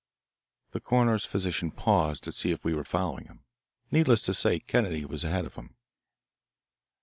The coroner's physician paused to see if we were following him. Needless to say Kennedy was ahead of him.